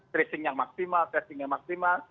tracing yang maksimal testing yang maksimal